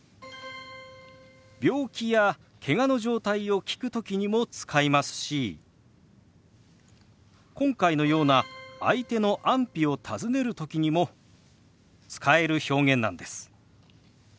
病気やけがの状態を聞く時にも使いますし今回のような相手の安否を尋ねる時にも使える表現なんです。